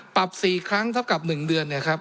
ปรับ๔ครั้งเท่ากับ๑เดือน